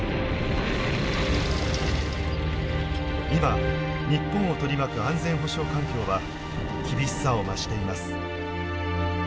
今日本を取り巻く安全保障環境は厳しさを増しています。